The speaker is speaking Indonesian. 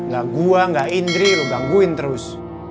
lah gua gak indri lo gangguin terus